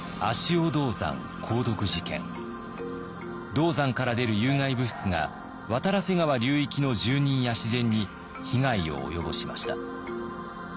銅山から出る有害物質が渡良瀬川流域の住人や自然に被害を及ぼしました。